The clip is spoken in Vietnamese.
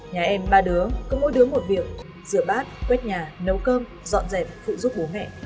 nhà em ba đứa cứ mỗi đứa một việc rửa bát quét nhà nấu cơm dọn dẹp phụ giúp bố mẹ